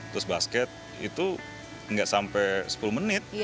terus basket itu nggak sampai sepuluh menit